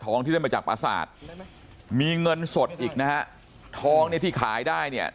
ที่ได้มาจากประสาทมีเงินสดอีกนะฮะทองเนี่ยที่ขายได้เนี่ย